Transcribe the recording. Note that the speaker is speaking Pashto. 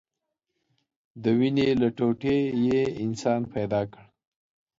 د وينې له ټوټې يې انسان پيدا كړ.